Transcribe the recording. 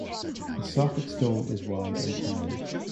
The socket stone is wide and high.